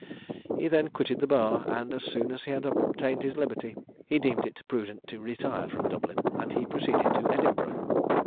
He then quitted the bar, and as soon as he had obtained his liberty, he deemed it prudent to retire from Dublin, and he proceeded to Edinburgh.